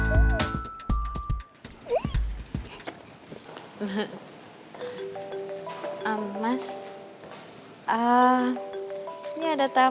akang abah akang abah eh hati hati akang